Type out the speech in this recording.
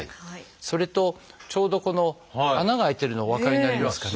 それとちょうどこの穴が開いてるのお分かりになりますかね。